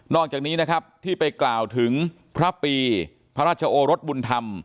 อกจากนี้นะครับที่ไปกล่าวถึงพระปีพระราชโอรสบุญธรรม